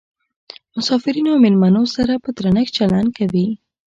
مسافرینو او میلمنو سره په درنښت چلند کوي.